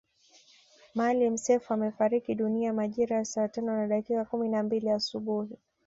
Maalim Seif amefariki dunia majira ya saa tano na dakika kumi na mbili asubuhi